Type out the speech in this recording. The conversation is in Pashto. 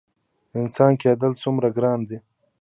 انسان کیدل څومره ګران دي؟